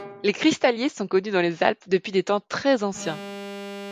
Les cristalliers sont connus dans les Alpes depuis des temps très anciens.